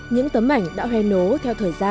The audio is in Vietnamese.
những tấm ảnh đã hoen nố theo thời gian